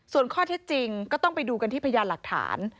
ส่วนข้อเท็จจริงก็ต้องไปดูกันที่พยานหลักฐาน